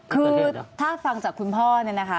คือถ้าฟังจากคุณพ่อนะคะ